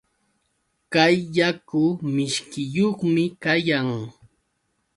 Kay yaku mishkiyuqmi kayan.